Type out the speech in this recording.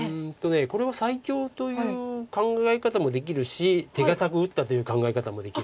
これは最強という考え方もできるし手堅く打ったという考え方もできるんです。